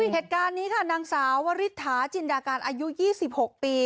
เหตุการณ์นี้ค่ะนางสาววริถาจินดาการอายุ๒๖ปี